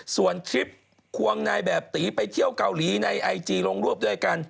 ส่วนคลิปควงนายแบบตีไปเที่ยวเกาหลีในไอจีลงรูปด้วยกัน